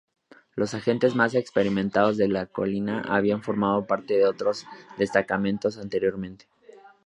Los agentes más experimentados de Colina habían formado parte de otros destacamentos anteriormente.